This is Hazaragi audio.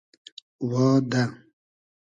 وا دۂ